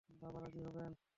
বাবা রাজি হবেন?